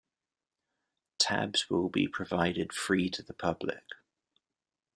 Tabs will be provided free to the public.